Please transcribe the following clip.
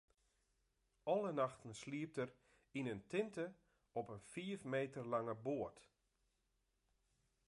Alle nachten sliept er yn in tinte op in fiif meter lange boat.